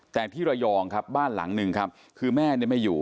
แต่ที่ระยองครับบ้านหลังหนึ่งครับคือแม่เนี่ยไม่อยู่